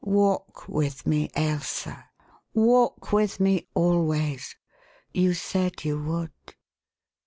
Walk with me, Ailsa walk with me always. You said you would.